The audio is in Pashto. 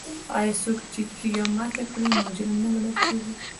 آیا څوک چې تیږه ماته کړي مجرم نه ګڼل کیږي؟